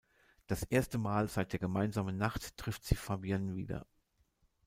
Das erste Mal seit der gemeinsamen Nacht trifft sie Fabien wieder.